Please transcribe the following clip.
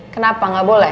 kenapa gak boleh